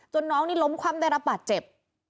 น้องนี่ล้มคว่ำได้รับบาดเจ็บ